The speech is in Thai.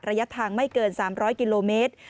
ระยะทางไม่เกิน๓๐๐กิโลเมตร